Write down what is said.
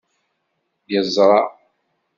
Yeẓra.